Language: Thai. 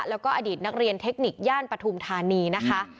แล้วก็อดีตนักเรียนเทคนิคย่านปฐุมธานีนะคะ